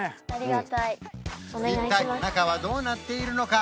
一体中はどうなっているのか？